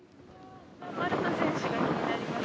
丸田選手が気になります。